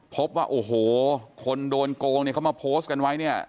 พบว่าโอ้โหคนโดนโกงเขามาโพสต์กันไว้